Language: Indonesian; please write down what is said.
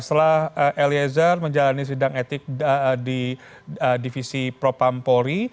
setelah eliezer menjalani sidang etik di divisi propampolri